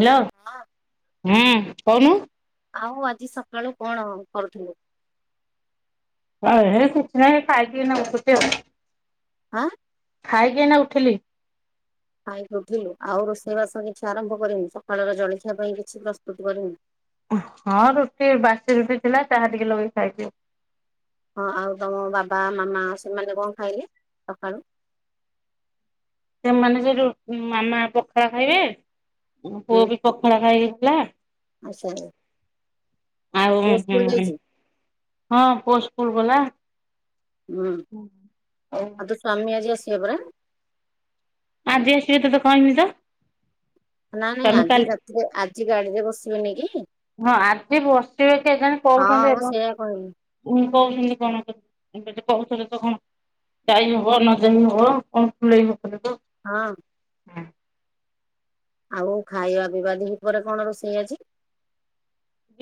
Hello! ହଁ ହୁଁ କଉନୁ? ଆଉ ଆଜି ସକାଳୁ କଣଅଁ କରୁଥୁଲୁ? [unintelligible] କିଛି ନାହିଁ ଖାଇକି ଏଇନା ଉଠୁଚି ଆଉ। ଆଁ ଖାଇକି ଏଇନା ଉଠିଲି। ଖାଇକି ଉଠିଲୁ। ଆଉ ରୋଷେଇବାସ କିଛି ଆରମ୍ଭ କରିନୁ। ସକାଳର ଜଳଖିଆ ପାଇଁ କିଛି ପ୍ରସ୍ତୁତି କରିନୁ। ଉହ୍ ହଁ ରୁଟି ବାସି ରୁଟି ଥିଲା। ଚାହା ଟିକେ ଲଗେଇ ଖାଇବି ଆଉ। ହଁ, ଆଉ ତମ ବାବା, ମାମା ସେମାନେ କଣ ଖାଇଲେ ସକାଳୁ? ଏମାନେ ସେ ଯୋଉ ଉଁ ମାମା ପଖାଳ ଖାଇବେ, ଉଁ ହୁଁ ପୁଅ ବି ପଖାଳ ଖାଇଆସିଲା। [unintelligible] ଆଉ ପୁଅ ଉହୁଁ ସ୍କୁଲ ଉଁ ଯାଇଛି ହଁ ପୋସ୍ ସ୍କୁଲ ଗଲା। ହୁଁ, ଆଉ ତ ସ୍ବାମୀ ଆଜି ଆସିବେ ପରା? ଆଜି ଆସିବେ ତତେ କହିନି ତ? ନା, ନି ତମେ ଆଜି କାଲି ରାତିରେ ଆଜି ଗାଡିରେ ବସିବେନି କି? ହଁ ଆଜି ବସିବେ କେଜାଣ ହଁ କହୁଛନ୍ତି ମୁଁ ଏବ ସେଇଆ କହିଲି ଉଁ। କଉଛନ୍ତି କଣ କହୁଥଲେ ତ କଣ ଟାଇମ୍ ହୁଅ ନ ଯେମି ହୁଅ କଣ ଖୁଲେଇବ। ହଁ। ଆଉ ଖାଇବାକୁଗା ଦିପହରେ କଣ ରୋଷେଇ ଅଛି।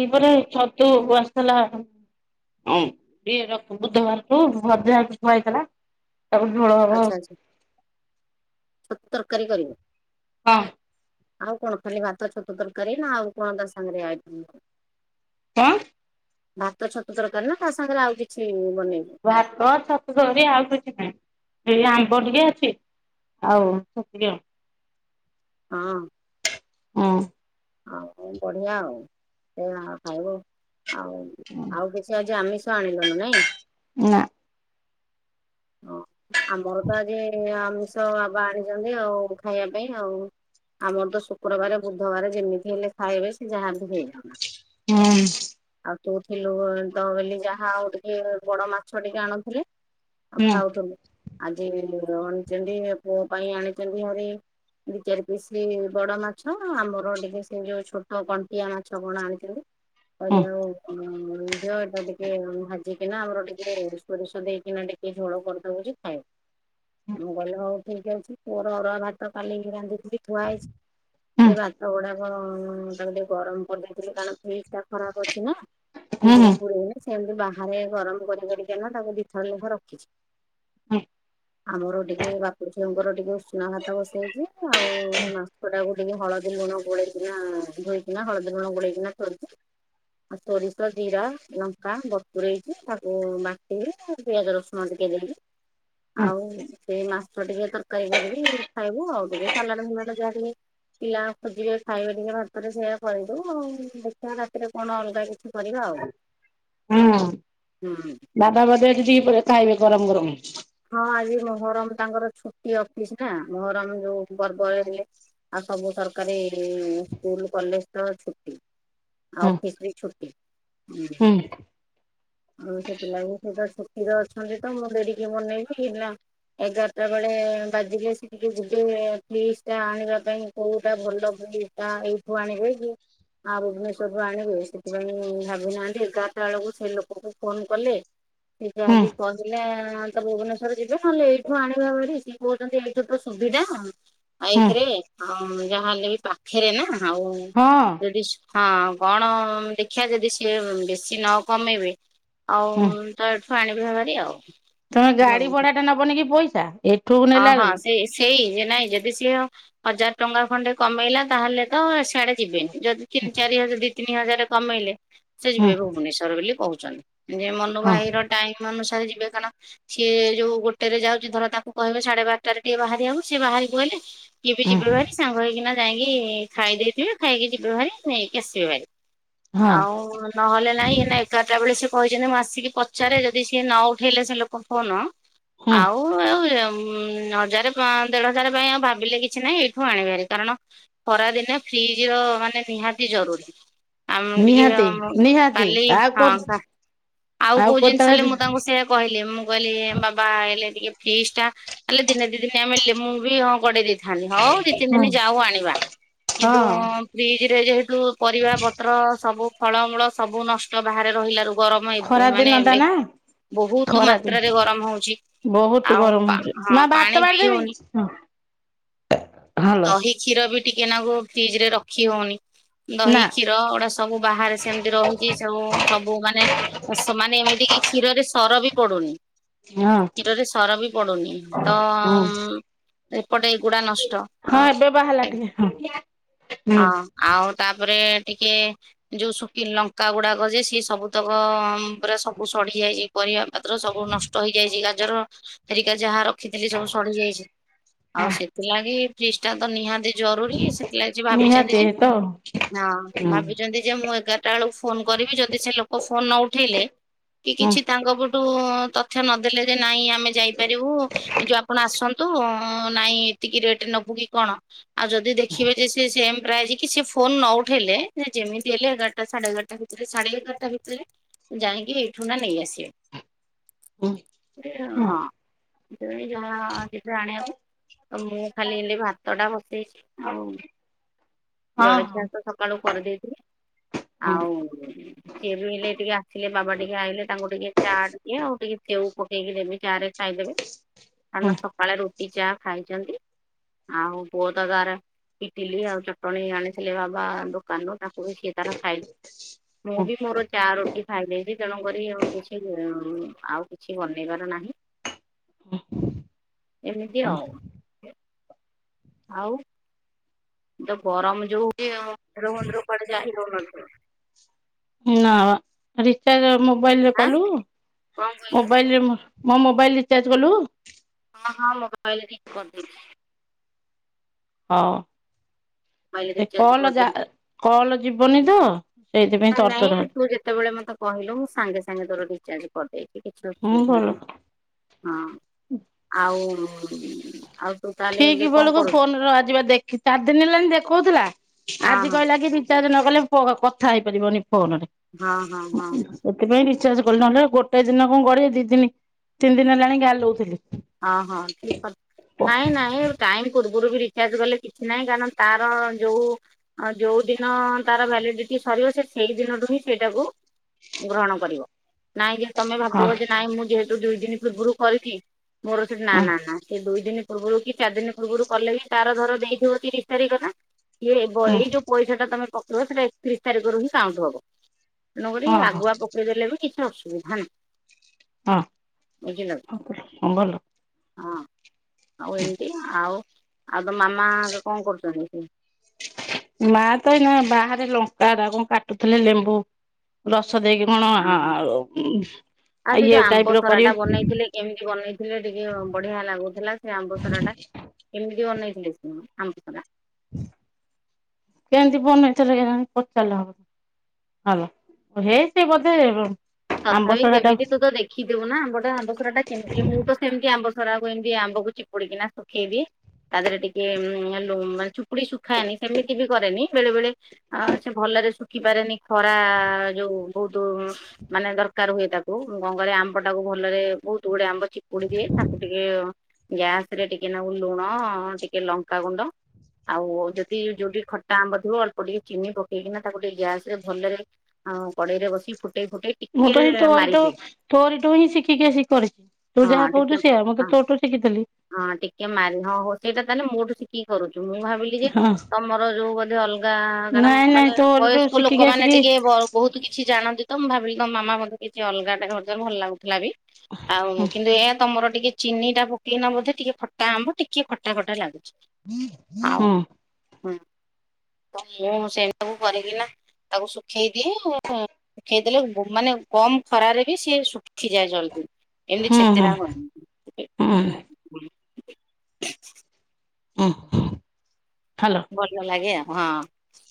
ଦିପହରେ ଛତୁ ଆସିଥିଲା ଆଉ। ହଁ ଟେ ରଖ ବୁଧବାରଠୁ ଭଜା ଥୁଆ ହେଇଥେଲା। ଆଚ୍ଛା [unintelligible] ଆଚ୍ଛା ଛତୁ ତରକାରୀ କରିବୁ। ହଁ। ଆଉ କଣ ଖାଲି ଭାତ ଛତୁ ତରକାରୀ ନା ଆଉ କଣ ତା ସାଙ୍ଗରେ ଆଇ ହ। ଭାତ ଛତୁ ତରକାରୀ ନା ତା ସାଙ୍ଗରେ ଆଉ କିଛି ବନେଇବୁ? ଭାତ ଛତୁ ଝୋଳରେ ଆଉ କିଛି ନାହିଁ। ହେଇ ଆମ୍ବ ଟିକେ ଅଛି ଆଉ ସେତିିକି ଆ ହଁ। ହଁ। ଆଉ ବଢିଆ ଆଉ ସେ ଖା ଖାଇବୁ ଆଉ ଆଉ କିଛି ଆଜି ଆମିଷ ତୁ ଆଣିଲୁନୁ ନାଇଁ। ନା ହଁ ଆମର ବା ଆଜି ଆମି ଷ ବାବା ଆଣିଛନ୍ତି ଆଉ ଖାଇବା ପାଇଁ ଆଉ ଆମର ତ ଶୁକ୍ରବାର ବୁଧବାର ଯେମିତି ହେଲେ ଖାଇବେ ସେ ଯାହା ବି ହୁଏ। ହୁଁ। ଅ ତୁ ଥିଲୁ ବୋ ତ ବୋଲି ଯାହା ଆଉ ଟିକିଏ ବଡ ମାଛ ଟିକେ ଆଣୁଥିଲେ। ଆଉ ହୁଁ ଖାଉଥିଲୁ ଆଜି ଅଣିଛନ୍ତି ପୁଅ ପାଇଁ ଆଣିଛନ୍ତି ଭାରି ଦି ଚାରି ପିସ ଲି ବଡ ମାଛ ଆମର ଟିକେ ଏ ଯୋଉ ଛୋଟ କଣ୍ଟିଆ ମାଛ କଣ ଆଣିଛନ୍ତି ହୁଁ ହୁଁ କହିଲେ ଆଉ ଉଁ ଉଁ ଝିଅ ଏଟା ଟିକେ ଭାଜିକିନା ଆମର ଟିକେ ସୋରିଷ ଦେଇ ଏଇନା ଟିକେ ଝୋଳ କରିଦବୁ ଯେ ଖାଏ ମୁଁ ଗଲେ ହଉ କିଣିକି ଆଣିଥିଲୁ ପୁଅର ଅରୁଆ ଭାତ କାଲିକି ରାନ୍ଧିଥିଲି ଥୁଆ ହେଇଛି ହୁଁ। ସେ ଭାତ ବଢା ହଁଁ ତାକୁ ଟିକେ ଗରମ କରିଦେଇଥିଲି କାରଣ ଫ୍ରିଜ ଟା ଖରାପ ଅଛି ନା ହୁଁ ଫ୍ରିଜରେ ପୁରୋଇନି। ସେମିତି ବାହାରେ ଗରମ କରି କରିକାନା ତାକୁ ଦିଇଥର ଲେଖା ରଖିଛି। ହୁଁ। ଆମର ଟିକେ ବାପ ଝିଅଙ୍କର ଟିକେ ଉଷୁନା ଭାତ ବସେଇଛି ଆଉ ମାଂସଟାକୁ ଟିକେ ହଳଦୀ ଲୁଣ ଗୋଳେଇକି ନା ଧୋଇକିନା ହଳଦୀ ଲୁଣ ଗୋଳେଇକିନା ଖରଡୁଛି। ଆଉ ସୋରିଷ ଜିରା ଲଙ୍କା ବରପୁରେଇକି ତାକୁ ବାଟିବେ ଆଉ ପିଆଜ ରସୁଣ ଦେଇି କେ [unintelligible] ଆଉ ସେ ମାଛ ଟିକେ ତରକାରୀ କରିବି ଖାଇବୁ ଆଉ ଟିକେ ସାଲାଡ ମାଲାଡ ଯାହା ଟିକେ ପିଲା [unintelligible] ଖାଇବା ଟିକେ ଭାତରେ ସେୟା ଖୁଆଇ ଦବୁ ଆଉ ଦେଖିବା ରାତିରେ କଣ ଅଲଗା କିଛି କରିବା ଆଉ ହଁ ହୁଁ। ବାବା ବଧେ ଆଜି ଦିପହରରେ ଖାଇବେ ଗରମ ଗରମ ହଁ ଆଜି ମହରମ ତାଙ୍କର ଛୁଟି ଅଫିସ ନା ମହରମ ଯୋଉ ବରବୟ ହେଲେ ଆଉ ସବୁ ସରକାରୀ ସ୍କୁଲ କଲେଜ ତ ଛୁଟି ଆଉ ହୁଁ ଅଫିସ ବି ଛୁଟି। ହୁଁ। ଆଉ ସେ ପିଲା ବି ସେ ତ ଛୁଟିରେ ଅଛନ୍ତି ତ ମୁଁ ତାଙ୍କୁ ଦେଇଦେଇ ଇଏ ମନେଇକି ଥିଲା ଏଗାରଟା ବେଳେ ବାଜିଲେ ସେ ଟିକେ ଯିବେ ଫ୍ରିଜ ଟା ଆଣିବା ପାଇଁ କୋଉଟା ଭଲ ଭ୍ଲୁଟା ଏଇଠୁ ଆଣିବେ କି? ଆଉ ଭୁବନେଶ୍ୱରରୁୁ ଆଣିବେ ସେଥିପାଇଁ ଭାବି ନାହାନ୍ତି ଏଗାରଟା ବେଳକୁ ସେ ଲୋକଙ୍କୁ ଫୋନ କଲେ ସେ ହୁଁ ଯାଦି କହିଲା। ତ ଭୁବନେଶ୍ଵର ଯିବେ ନହେଲେ ଏଇଠୁ ଆଣିବେ ଭାରି ସିଏ କହୁଚନ୍ତି ଏଇଠୁ ତ ସୁବିଧା। ହୁଁ ବାଇକରେ ଆଉ ଯାହାହେଲେ ବି ପାଖରେ ନା ଆଉ ହଁ ଯଦି ସୁ ହଁ କଣ ଦେଖିଆ। ଯଦି ସିଏ ବେଶୀ ନ କମେଇବେ ଆଉ ହୁଁ। ତ ଏଠୁ ଆଣିବେ ଭାରି ଆଉ। ତମେ ଗାଡି ଭାବୁଛୁ। ଭଡା ଟା ନବନି କି ପଇସା ଏଠୁକୁ ହଁ ନେଲା ହଁ ବେଳକୁ। ସେଇ ସେଇ ଯେ ନାଇଁ ଯଦି ସିଏ ହଜାର ଟଙ୍କା ଖଣ୍ଡେ କମେଇଲା ତାହେଲେ ତ ସ୍ୟାଡେ ଯିବେନି। ଯଦି ତିନ ଚାରି ହଜା-ଦି ତିନି ହଜାର କମେଇଲେ ସେ ହୁଁ ଯିବେ ଭୁବନେଶ୍ୱର ବୋଲି କୋହୁଚନ୍ତି। ଯେ ମନୁ ହଁ ଭାଇ ର ଟାଇମ ଅନୁସାରେ ଯିବେ କାରଣ ସିଏ ଯୋଉ ଗୋଟେରେ ଯାଉଛି ଧର ତାକୁ ମୁଁ କହିବି ସାଢେ ବାରଟାରେ ଟିକେ ବାହାରିବାକୁ ସିଏ ବାହାରିପଇଲେ ଇଏ ବି ଯିବେ ହୁଁ। ଭାରି ସାଙ୍ଗ ହେଇକିନା ଯାଇକି ଖାଇ ଦେଇଥିବେ ଖାଇକି ଯିବେ ଭାରି ନେଇକି ଆସିବେ ହେରି ହଁ ଆଉ ନହେଲେ ନାଇଁ ଏନା ଏଗାରଟା ବେଳେ ସିଏ କହିଛନ୍ତି ମୁଁ ଆସିକି ପଚାରେ ଯଦି ସିଏ ନ ଉ ଉଠେଇଲେ ସେ ଲୋକ ଫୋନ ହଁ ଆଉ ଏ ଅମ୍-ହଜାରେ ପାଁ-ଦେଢ ହଜାରେ ପାଇଁ ଆଉ ଭାବିଲେ କିଛି ନାହିଁ ଏଇଠୁ ଆଣିବେ ହାରି କାରଣ ଖରାଦିନ ଫ୍ରିଜ ର ମାନେ ନିହାତି ଜରୁରୀ। ଆମେ ବି ଟିକେ ନିହାତି ଆମ ନିହାତି କାଲି ଆଉ କୋ ହନ୍ତା। ଆଉ କୋଉ ଜିନିଷ ହେଲେ ମୁଁ ତାଙ୍କୁ ସେୟା କହିଲି ମୁଁ କହିଲି ବାବା ଏଲେ ଟିକେ ଫିସଟା ହେଲେ ଦିନେ ଦି ଦିନେ ନ ମିଳିଲେ ମୁଁ ବି ହଁ ଗଡେଇ ଦେଇଥି ତାଲେ ହଉ ଦି ତିନି ହଁ ଦିନ ଯାଉ ଆଣିବା କିନ୍ତୁ ହଁ ଉଁ ଫ୍ରିଜ ରେ ଯେହେତୁ ପରିବା ପତ୍ର ସବୁ ଫଳମୂଳ ସବୁ ନଷ୍ଟ ବାହାରେ ରହିଲାରୁୁ। ଗରମ ଏବେ ଖରା ମାନେ ଦିନ ଟା ଏବେ ନା ବୋହୁତୁ ଖରା ମାତ୍ରାରେ ଗରମ ହୋଉଚି ଆଉ ହଁ ଯେ ମା ପାଣି ଭାତ ପିଇ ବାଢ଼ିଦେବି ହଉନି ହଁ ହଲୋ ଦହି କ୍ଷୀର ବି ଟିକେନାକୁ ଫ୍ରିଜରେ ରଖି ହୋଉନି। ଦହି ନା କ୍ଷୀର ଗୁଡା ସବୁ ବାହାରେ ସେମିତି ରହିକି ସବୁ ସବୁ ମାନେ ସେମାନେ ଏମିତି କି କ୍ଷୀରରେ ସର ବି ପଡୁନି ହଁ କ୍ଷୀରରେ ସର ବି ତ ହୁଁ ଏ ପଟେଇ ଗୁଡା ନଷ୍ଟ ହ ହଁ ଏବେ ବାହାରିଲା ଟିକେ ହଁ ହୁଁ ହଁ ଆଉ ତାପରେ ଟିକିଏ ଯୋଉ ଶୁକି ଲଙ୍କାଗୁଡାକ ଯେ ସିଏ ସବୁତକ ଅମ୍-ପରା ସବୁ ସଢିଯାଇଚି ପରିବା ପତ୍ର ସବୁ ନଷ୍ଟ ହେଇଯାଇଚି ଗାଜର ଫେରେଇକି ଆସ୍ ଯାହା ରଖିଥିଲି ସବୁ ସଢିଯାଇଚି ଆଉ ସେଥିଲାଗି ଫ୍ରିଜଟା ତ ନିହାତି ଜରୁରୀ ସେଥିଲାଗି ଆଜି ଭାବିଚନ୍ତି ନିହାତି ଯେ ତ ହୁଁ ହଁ ଭାବିଛନ୍ତି ଯେ ମୁଁ ଏଗାରଟା ବେଳକୁ ଫୋନ କରିବି ଯଦି ସେ ଲୋକ ଫୋନ ନ ଉଠେଇଲେ କି ହୁଁ କିଛି ତାଙ୍କ ପଟୁ ତଥ୍ୟ ନଦେଲେ ଯେ ନାଇଁ ଆମେ ଯାଇପାରିବୁ ଏ ଯୋଉ ଆପଣ ଆସନ୍ତୁ ହଁ ନାଇଁ ଏତିକି ରେଟେ ନୋବୁ କି କଣ ଆଉ ଯଦି ଦେଖିବେ ଯେ ସିଏ ସେମ୍ ଆଜି କି ସେ ଫୋନ ନ ଉଠେଇଲେ ଯେମିତି ହେଲେ ଏଗାରଟା ସାଢେ ଏଗାରଟା ଭିତରେ ସାଢେ ଏଗାରଟା ଭିତରେ ଯାଇଁକି ଏଇଠୁ ନା ନେଇ ହୁଁ ଆସିବେ ତି ହଁ। ଏବେବି ଯାହା ଦେଇଥିଲେ ଆଣିବାକୁ ଆଉ ମୁଁ ଖାଲି ଏଇଲେ ଭାତଟା ବସେଇଚି ଆଉ ହଁ ଜଳଖିଆ ହଁ ତ ସକାଳୁ କରିଦେଇଥିଲେ ଆଉ ସିଏ ବି ହେଲେ ଟିକେ ଆସିଲେ ବାବା ଟିକେ ଆଇଲେ ତାଙ୍କୁ ଟିକେ ଚାଟ୍ ଦିଏ ଆଉ ଟିକେ ସେଉ ପକେଇକି ଦେବି ଚାରେ ଖାଇଦେବେ ହୁଁ କାରଣ ସକାଳେ ରୁଟି ଚା ଖାଇଚନ୍ତି। ଆଉ ପୁଅ ତ ଘରେ ଇଟିଲି ଆଉ ଚଟଣି ଆଣିଥିଲେ ବାବା ଦୋକାନରୁ ତାକୁ ବି ସିଏ ତାର ଖାଇ ମୁଁ ହୁଁ ବି ମୋର ଚା ରୋଟି ଖାଇଦେଇଚି ତେଣୁକରି ଆଉ କିଛି [unintelligible] ଆଉ କିଛି ବନେଇବାର ନାହିଁ। ଏମିତି ଆଉ। ଆଉ। ତ ଗରମ ଯୋଉ ହୋଉଚି ଆଉ ନା ରିଚାର୍ଜ ମୋବାଇଲରେ ଆଁ କଲୁ କଣ କହିଲୁ ମୋବାଇଲରେ ମୋ ମୋ ମୋବାଇଲ୍ ରିଚାର୍ଜ କଲୁ? ହଁ ହଁ ମୋବାଇଲରେ ଠିକ୍ କରିଦେଇଚି। ହଁ ମୋବାଇଲ ଏ ରିଚାର୍ଜ କଲ କରିଦେଇଛି ଯାର କଲ ଯିବନି ତ? ସେଇଥିପାଇଁ ନାଇ ତରତର ନାଇଁ ହେଲି ତୁ ଯେତେବେଳେ ମତେ କହିଲୁ ମୁଁ ସାଙ୍ଗେ ସାଙ୍ଗେ ତୋର ରିଚାର୍ଜ କରିଦେଇଛି କିଛି ହୁଁ ଅସୁବିଧା ଭଲ ନାହିଁ। ହଁ ଆଉ। ଆଉ ତୋ ଠିକ ବେଳକୁ ଫୋନ ର ଆଜିିବା ଦେଖି ଚାରି ଦିନ ହେଲାଣି ଦେଖଉଥିଲା ହଁ ଆଜି ହଁ କହିଲା କି ରିଚାର୍ଜ୍ ନ କଥା ହେଇପାରିବନି ଫୋନରେ ହଁ ହଁ ହଁ ସେଥିପାଇଁ ରି ଚାର୍ଜ କଲେ ନହେଲେ ଗୋଟେ ଦିନ କଣ ଗଡିବ ଦି ଦିନ ତିନ ଦିନ ହେଲାଣି ଗାଲୋଉଥିଲି। ହଁ ହଁ ଠିକ ଅ ନାଇଁ ନାଇଁ ଟାଇମ ପୂର୍ବରୁ ବି ରେଚର୍ଜ କଲେ କିଛି ନାହିଁ କାରଣ ତାର ଯୋଉଡ଼ିନ ତାର ଭ୍ୟାଲିଡିଟି ସ ରିବ ସେ ସେଇ ଦିନଠୁ ହିଁ ସେଇଟାକୁ ଗ୍ରହଣ କରିବ ନାଇଁ ଯେ ତମେ ହଁ ଭାବିବ ଯେ ନାଇଁ ମୁଁ ଯେହେତୁ ଦୁଇ ଦିନ ପୂର୍ବରୁ କରିଛି ମୋର ସେଠି ହଁ ନା-ନା-ନା [unintelligible] ଦିନ ପୂର୍ବରୁ କି ଚାରି ଦିନ ପୂର୍ବରୁ କଲେ ବି ତାର ଧର ଦେଇଥିବ ତିରିଶ ତାରିଖ ନା। ଇଏ ଏଇ ଯୋଉ ପଇସା ଟା ତମେ ପକେଇବ ସେଇଟା ଏକତିରିଶ ତାରିଖରୁ ହିଁ କାଉଣ୍ଟ ହବ। ତେଣୁକରି ଓହୋ ଆଗୁଆ ପକେଇ ଦେଲେ ବି କିଛି ଅସୁବିଧା ନାହିଁ। ବୁଝିଲ କି ହଁ ଭଲ। ହଁ ଆଉ ଏମିତି ଆଉ ଆଉ ତ ମାମା କଣ କରୁଛନ୍ତି? ମା ତ ଏଇନା ବାହାରେ ଲଙ୍କାଟା କଣ କାଟୁଥିଲେ ଲେମ୍ବୁ ରସ ଦେଇକି କଣ ଓହୋ। ଆଉ। ଆଉ ସେ ଯୋଉ ଆମ୍ବସରା ଟା ବନେଇଥିଲେ କେମିତି ବନେଇଥିଲେ ଟିକେ ବଢିଆ ଲାଗୁଥିଲା ସେ ଆମ୍ବ ସରା ଟା କେମିତି ବନେଇଥିଲେ ସେ ଆମ୍ବସରା। କେନ୍ତି ଵନେଇଥିଲେ କେଜାଣି ପଚାରିଲେ ହବ। ହଲ ହେଇ ସେ ବୋଧେ ଆମ୍ବ ତଥାପି ସଢାଟା ଯେମିତି ତୁ ତ ଦେଖିଥିବୁ ନା ଗୋଟେ ଆମ୍ବସରାଟା କେମିତି ମୁଁ ତ ସେମିତି ଆମ୍ବ ସରାକୁ ଏମିତି ଆମ୍ବକୁ ଚିପୁଡିକିନା ଶୁଖେଇଦିଏ ତା ଦେହରେ ଟିକେ ଚୁପୁଡି ଶୁଖାଏନି ସେମିତି ବି କରେନି ବେଳେ ବେଳେ ସେ ଭଲରେ ଶୁଖିପାରେନି ଖରା ଯୋଉ ବହୁତ୍ ମାନେ ଦରକାର ହୁଏ ତାକୁ ଗଙ୍ଗଳି ଆମ୍ବ ଟାକୁ ଭଲରେ ବହୁତ ଗୁଡେ ଆମ୍ବ ଚିପୁଡି ଦିଏ ତାକୁ ଟିକେ ଗ୍ୟାସ ରେ ଟିକେ ନାଗୁ ଲୁଣ, ଟିକେ ଲଙ୍କାଗୁଣ୍ଡ ଆଉ ଯଦି ଯୋଉଟି ଖଟା ଆମ୍ବ ଥିବ ଅଳ୍ପ ଟିକେ ଚିନି ପକେଇକିନା ତାକୁ ଟିକେ ଗ୍ୟାସରେ ଭଲରେ ଆଉ କଡେଇରେ ବସି ଫୁଟେଇ ଫୁଟେ ମୁଁ ତ ହିଁ ତୋରିଠୁ ତୋରିଠୁ ହିଁ ଶିଖିକି ଆସି କରିଛି ତୁ ଯାହା ହଁ ଟିକେ କହୁଛୁ ସେୟା ମୁଁ ହଁ ତ ତୋଠୁ ଶିଖିଥେଲି। ହଁ ଟିକେ ମାନ ହଉ ସେଇଟା ତାହେଲେ ମୋଠୁ ଶିଖିକି କରୁଛ। ମୁଁ ଭାବିଲି ଯେ ହଁ ତମର ଯୋଉ ବୋଧେ ଅଲଗା କାରଣ ନାଇଁ ମାନେ ନାଇଁ ତୋରିଠୁ ବୟସ୍କ ଶିଖିକି ଲୋକମାନେ ଆସିକି ଟିକେ ବହୁତ୍ କିଛି ଜାଣନ୍ତି। ତ ମୁଁ ଭାବିଲି ତମ ମାମା ବୋଧେ କିଛି ଅଲଗା ଟା କରି ଭଲ ଲାଗୁଥିଲା ବି ଆଉ ହୁଁ କିନ୍ତୁ ଏହା ତମର ଟିକେ ଚିନି ଟା ପକେଇନା ବଧେ ଟିକେ ଖଟା ଆମ୍ବ ଟିକେ ଖଟା ଖଟା ଲାଗୁଛି। ଆଉ ହୁଁ। ହୁଁ ତ ମୁଁ ସେ ସବୁ କରିକିନା ତାକୁ ଶୁଖେଇଦିଏ ଶୁଖେଇଦେଲେ ମାନେ କମ୍ ଖରାରେ ବି ସିଏ ଶୁଖିଯାଏ ଜଲ୍ଦି। ଏମିତି ହୁଁ ଛେଚେରା [unintelligible] ହୁଁ ହୁଁ। [inaudible] ହଁ। ଭଲଲ ଲାଗେ ଆଉ ହଁ।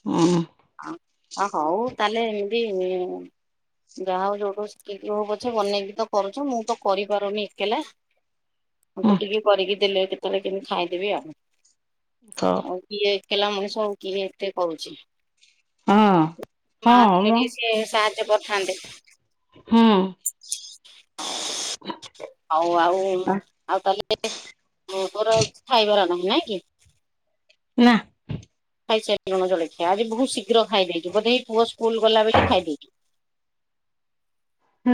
ହୁଁ। ହ ହଉ ତାହେଲେ ଏମତି। ଯାଆହଉ ଯୋଉଠୁ ଶିଖିକି ହୋଉ ପଛେ ବନେଇକି ତ କରୁଚ ମୁଁ ତ କରିପାରୁନି ଏକଲା। ମୁଁ ହୁଁ ତୁ ଟିକି କରିକି ଦେଲେ କେତେବେଳେ କେମିତି ଖାଇଦେବି ହଉ ଆଉ। ଏକେଲା ମଣିଷ କୁ କିଏ ଏତେ କରୁଚି। ହଁ ମା ହଁ ଥିଲେ ମ ଟିକେ ସିଏ ସାହାଯ୍ୟ କରିଥାନ୍ତେ। ହୁଁ। [unintelligible] ହଉ ଆଉ ଆଉ ତାହେଲେ, ତୋର ଖାଇବାର ନାହିଁ। ନାଇଁ କି। ନା। ଖାଇ ସାରିଲୁଣୁ ଜଳଖିଆ ଆଜି ବହୁତ ଶୀଘ୍ର ଖାଇଦେଇଚୁ। ବୋଧେ ଏଇ ପୁଅ ସ୍କୁଲ ଗଲା ବୋଲି ଖାଇଦେଇଚୁ। [inaudible]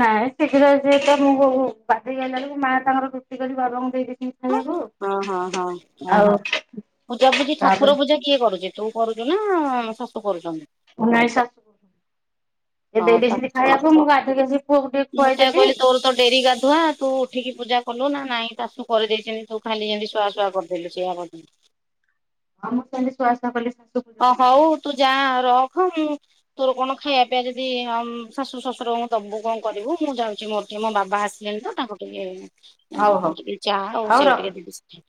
ନାଇଁ ଶୀଘ୍ର ଯିଏ ତ ମୁଁ [unintelligible] ଗାଧେଇ ଆଇଲା ବେଳକୁ ମା ତାଙ୍କର ରୁଟି କରିକି ବାବାଙ୍କୁ ଦେଇ ଦେଇ ହ ହଁ ହଁ ହଁ ହୋଉ ଆଉ ପୂଜା ପୂଜି ତାପରେ ଠାକୁର ପୂଜା କିଏ କରୁଚି? ତୁ କରୁଚୁ ନା ଶାଶୁ କରୁଚନ୍ତି? ଉଁ ନାଇଁ ସା ହଁ ଶାଶୁ ପୁଅକୁ ଟିକେ ମୁଁ ସେଇୟା ଖୁଆଇଦେଲି କହିଲି ତୋର ତ ଡେରି ଗାଧୁଆ ତୁ ଉଠିକି ପୂଜା କଲୁ ନା ନାଇଁ ଶାଶୁ କରିଦେଇଚନ୍ତି। ତୁ ଖାଲି ଏମିତି ସ୍ୱାହା ସ୍ୱାହା କରିଦେଲୁ, ସେଇଆ ଭାବିଲି ଆଉ ମୁଁ ସେମିତି ଶୁଆଶୁଆ କଲି ଶାଶୁକୁ। ଅ ହଉ ତୁ ଯା ର ହଁ ମୁଁ ତୋରୋ କଣ ଖାଇବା ପିଆ ଯଦି ଅମ୍ ଶାଶୁ ଶଶୁରଙ୍କୁ ଦୋବୁ କଣ କରିବୁ? ମୁଁ ଯାଉଚି ମୋର ଟିକେ ମୋ ବାବା ଆସିଲେଣି। ତ ତାଙ୍କୁ ଟିକେ ଏଁ ହଉ ହଉ ଟିକେ ଚାହା ଆଉ ହଉ ସେଉ ରଖୁଛି। ଟିକେ ଦେବି ସେ